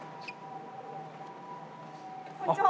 こんにちは。